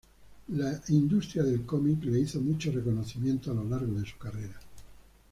La industria del comic le hizo muchos reconocimientos a lo largo de su carrera.